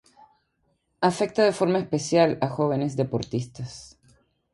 Afecta de forma especial a jóvenes deportistas.